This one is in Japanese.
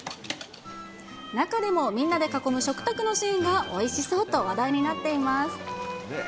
中でもみんなで囲む食卓のシーンがおいしそうと、話題になっています。